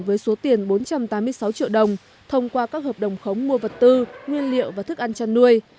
với số tiền bốn trăm tám mươi sáu triệu đồng thông qua các hợp đồng khống mua vật tư nguyên liệu và thức ăn chăn nuôi